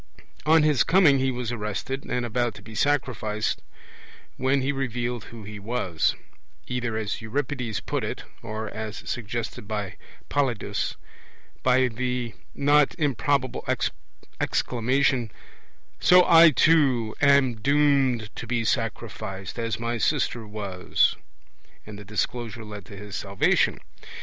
On his coming he was arrested, and about to be sacrificed, when he revealed who he was either as Euripides puts it, or (as suggested by Polyidus) by the not improbable exclamation, 'So I too am doomed to be sacrificed, as my sister was'; and the disclosure led to his salvation.